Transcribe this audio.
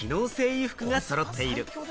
衣服が揃っている。